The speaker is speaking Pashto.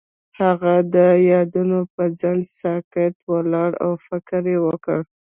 هغه د یادونه پر څنډه ساکت ولاړ او فکر وکړ.